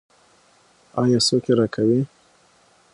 آیا څوک یې راکوي؟